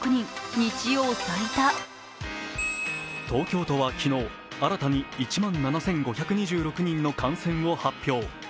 東京都は昨日、新たに１万７５２６人の感染を発表。